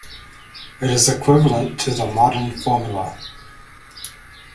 It is equivalent to the modern formula.